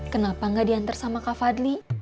kenapa gak diantar sama kak fadli